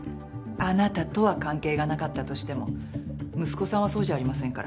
あなたとは関係がなかったとしても息子さんはそうじゃありませんから。